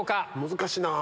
難しいな。